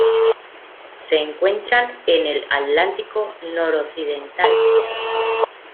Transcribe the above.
Se encuentran en el Atlántico noroccidental.